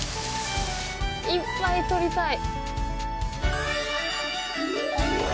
いっぱい取りたい。